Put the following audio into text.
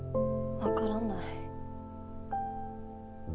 わからない。